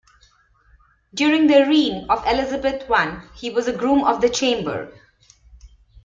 During the reign of Elizabeth I, he was a Groom of the Chamber.